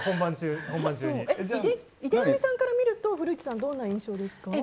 井手上さんから見ると古市さん、どんな印象ですか？